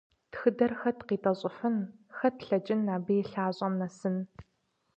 Тхыдэр хэт къитӀэщӀыфын, хэт лъэкӀын абы и лъащӀэм нэсын?